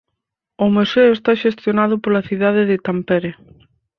O museo está xestionado pola cidade de Tampere.